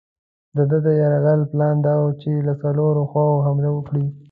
د ده د یرغل پلان دا وو چې له څلورو خواوو حمله وکړي.